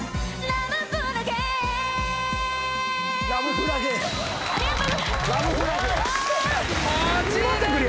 ［果たして］ありがとうございます！